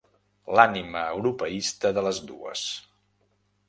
L'ànima europeista de les dues.